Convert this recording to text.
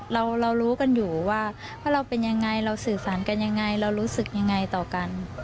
เรารู้กันอยู่ว่าเราเป็นยังไงเราสื่อสารกันยังไงเรารู้สึกยังไงต่อกัน